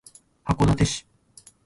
函館市